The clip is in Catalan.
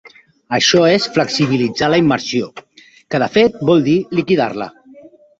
Això és “flexibilitzar” la immersió, que de fet vol dir liquidar-la.